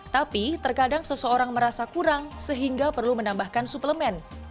tapi terkadang seseorang merasa kurang sehingga perlu menambahkan suplemen